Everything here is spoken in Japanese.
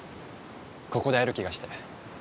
ここで会える気がして。